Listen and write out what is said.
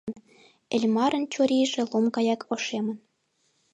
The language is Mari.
Эльмарын чурийже лум гаяк ошемын.